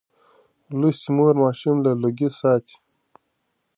لوستې مور ماشوم له لوګي ساتي.